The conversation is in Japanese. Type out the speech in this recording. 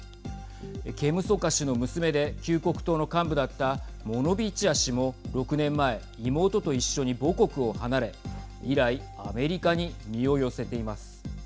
ケム・ソカ氏の娘で救国党の幹部だったモノビチア氏も６年前妹と一緒に母国を離れ以来アメリカに身を寄せています。